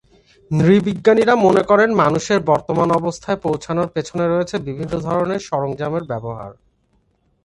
নৃ-বিজ্ঞানীরা মনে করেন মানুষের বর্তমান অবস্থায় পৌঁছানোর পেছনে রয়েছে বিভিন্ন ধরনের সরঞ্জামের ব্যবহার।